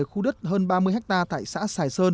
khu đất hơn ba mươi hectare tại xã sài sơn